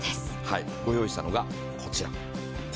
ご用意したのが、こちら。